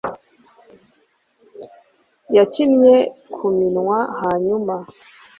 yakinnye ku minwa, hanyuma